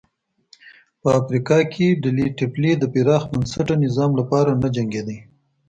په افریقا کې ډلې ټپلې د پراخ بنسټه نظام لپاره نه جنګېدې.